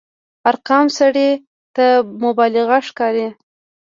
ارقام سړي ته مبالغه ښکاري.